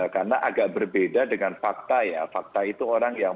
karena agak berbeda dengan fakta ya fakta itu orang yang